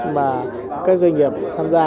mà các doanh nghiệp tham gia